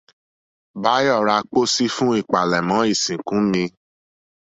Báyọ̀ ra pósí fún ìpalẹ̀mọ́ ìsìnkú mi